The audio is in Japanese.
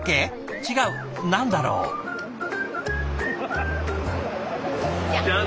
違う何だろう？じゃん！